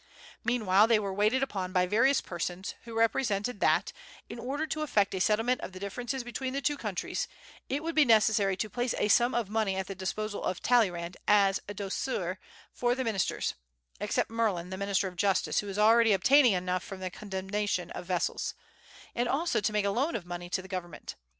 Meanwhile, they were waited upon by various persons, who represented that, in order to effect a settlement of the differences between the two countries, it would be necessary to place a sum of money at the disposal of Talleyrand as a douceur for the ministers (except Merlin, the minister of justice, who was already obtaining enough from the condemnation of vessels), and also to make a loan of money to the government.